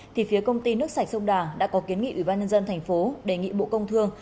thì phía công ty nước sạch sông đà đã có kiến nghị ủy ban nhân dân thành phố đề nghị bộ công thương